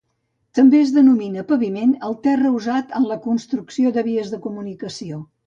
També es denomina paviment el terra usat en la construcció de vies de comunicació.